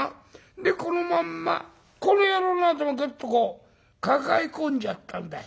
でこのまんまこの野郎の頭をグッとこう抱え込んじゃったんだよ。